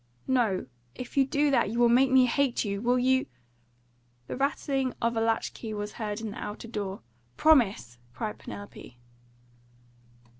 "No! If you do that, you will make me hate you! Will you " The rattling of a latch key was heard in the outer door. "Promise!" cried Penelope.